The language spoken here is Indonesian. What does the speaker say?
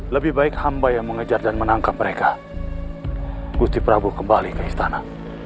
lebih baik hamba yang mengejar dan menangkap mereka gusti prabowo kembali ke istana